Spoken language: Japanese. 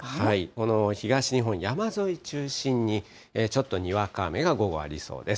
この東日本、山沿い中心に、ちょっとにわか雨が午後ありそうです。